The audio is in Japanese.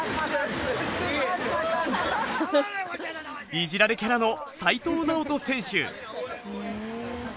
いじられキャラの齋藤直人選手。